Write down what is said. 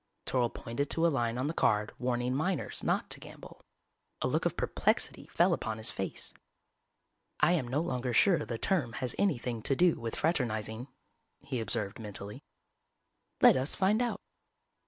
_" Toryl pointed to a line on the card warning minors not to gamble. A look of perplexity fell upon his face. "I am no longer sure the term has anything to do with fraternizing," he observed mentally. "_Let us find out.